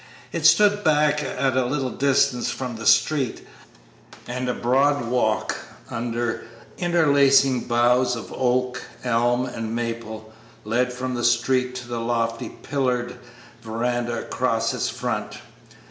It stood back at a little distance from the street, and a broad walk, under interlacing boughs of oak, elm, and maple, led from the street to the lofty pillared veranda across its front.